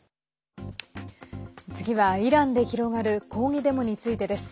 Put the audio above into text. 次はイランで広がる抗議デモについてです。